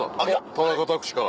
田中卓志から。